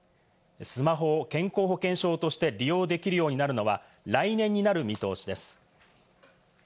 スマホを健康保険証として利用できるようになるのは来年になる見通しです。